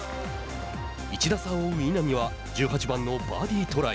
１打差を追う稲見は１８番のバーディートライ。